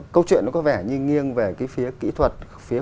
câu chuyện nó có vẻ như nghiêng về cái phía kỹ thuật phía